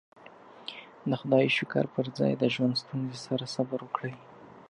د خدايې شکر پر ځای د ژوند ستونزې سره صبر وکړئ.